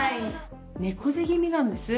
猫背気味なんです。